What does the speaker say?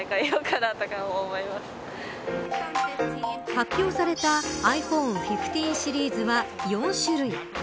発表されたｉＰｈｏｎｅ１５シリーズは４種類。